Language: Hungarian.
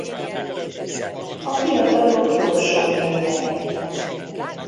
A fiatalok gyorsan nőnek.